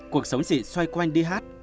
cuộc sống chị xoay quanh đi hát